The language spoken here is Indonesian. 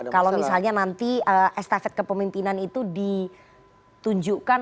kalau misalnya nanti estafet kepemimpinan itu ditunjukkan